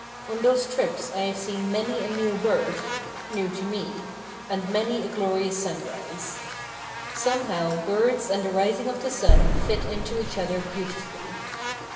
On those trips I have seen many a new bird—new to me—and many a glorious sunrise. Somehow birds and the rising of the sun fit into each other beautifully.